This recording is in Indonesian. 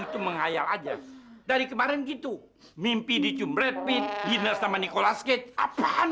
itu menghayal aja dari kemarin gitu mimpi dicumbrepit dinas sama nicolas kek apaan